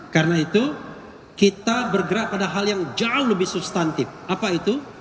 karena itu kita bergerak pada hal yang jauh lebih substantif apa itu